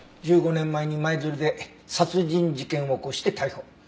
１５年前に舞鶴で殺人事件を起こして逮捕。